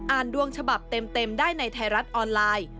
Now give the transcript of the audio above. ดวงฉบับเต็มได้ในไทยรัฐออนไลน์